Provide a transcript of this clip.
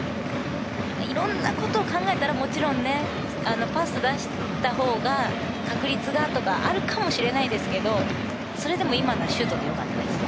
いろんなことを考えたらもちろんパスを出したほうが確率がとかあるかもしれないですけどそれでも今のはシュートで良かったです。